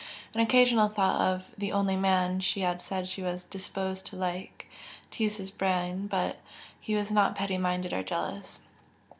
An occasional thought of "the only man" she had said she was "disposed" to like, teased his brain; but he was not petty minded or jealous.